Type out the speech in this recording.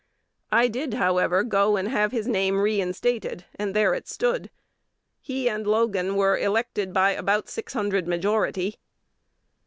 I did, however, go and have his name re instated; and there it stood. He and Logan were elected by about six hundred majority."